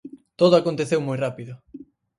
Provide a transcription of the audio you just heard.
Todo aconteceu moi rápido.